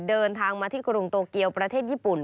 เดินทางมาที่กรุงโตเกียวประเทศญี่ปุ่น